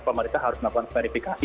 pemerintah harus melakukan verifikasi